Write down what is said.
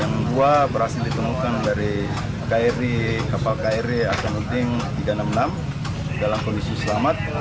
yang kedua berhasil ditemukan dari kapal kri akan uding di danam enam dalam kondisi selamat